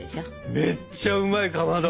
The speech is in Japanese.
めっちゃうまいかまど。